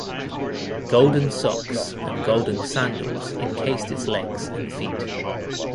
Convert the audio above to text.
Golden socks and golden sandals encased its legs and feet.